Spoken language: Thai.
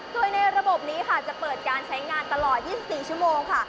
โดยในระบบนี้ค่ะจะเปิดการใช้งานตลอด๒๔ชั่วโมงค่ะ